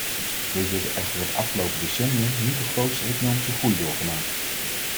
Deze hebben echter het afgelopen decennium niet de grootste economische groei doorgemaakt.